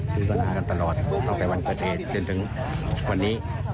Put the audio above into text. ทหรือมีงานตลอดต้องกัดวันประเทศถึงวันนี้